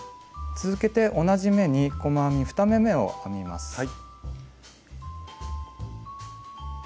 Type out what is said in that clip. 続けて同じ目に細編み２目めを編みます。